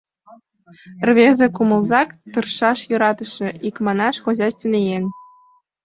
Рвезе кумылзак, тыршаш йӧратыше, икманаш, хозяйственный еҥ.